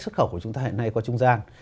xuất khẩu của chúng ta hiện nay qua trung gian